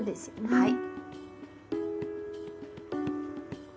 はい。